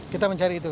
kita mencari itu